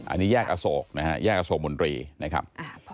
อันนี้แยกอโศกนะฮะแยกอโศกมนตรีนะครับ